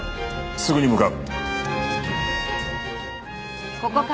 すぐに向かう。